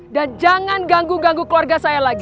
dan jangan ganggu ganggu keluarga saya lagi